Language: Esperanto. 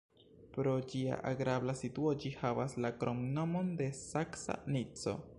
Pro ĝia agrabla situo ĝi havas la kromnomon de "Saksa Nico".